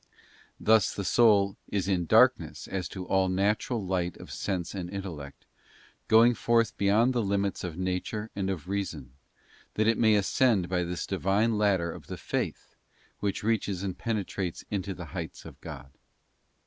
Thus the soul is in darkness as to all natural light of sense and intellect, going forth beyond the limits of nature and of reason, that it may ascend by this Divine ladder of the faith which reaches and penetrates into the heights of God.